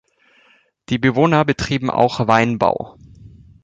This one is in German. Die Bewohner betrieben auch Weinbau.